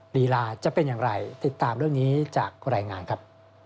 ลีลาจะเป็นอย่างไรติดตามเรื่องนี้จากรายงานครับ